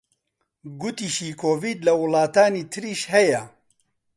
گوتیشی کۆڤید لە وڵاتانی تریش هەیە